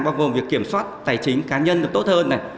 bao gồm việc kiểm soát tài chính cá nhân được tốt hơn này